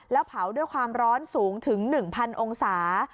แล้วเผาด้วยความร้อนสูงถึง๑๐๐องศา